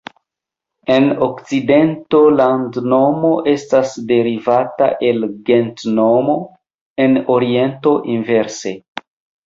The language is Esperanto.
En okcidento landnomo estas derivata el gentnomo; en oriento inverse.